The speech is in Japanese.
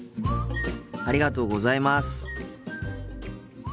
ありがとうございます。